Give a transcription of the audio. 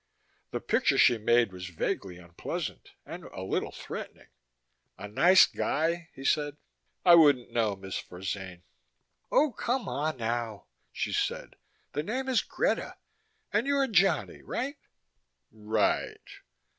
The picture she made was vaguely unpleasant, and a little threatening. "A nice guy?" he said. "I wouldn't know, Miss Forzane." "Oh, come on, now," she said. "The name is Greta. And you're Johnny right?" "... Right."